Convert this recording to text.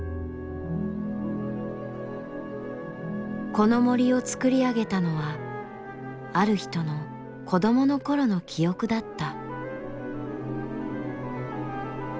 この森をつくり上げたのはある人の子どもの頃の記憶だった。